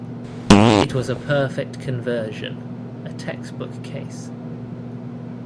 It was a perfect conversion, a textbook case.